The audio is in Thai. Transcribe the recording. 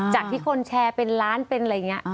จากที่คนแชร์เป็นล้านเป็นอะไรอย่างนี้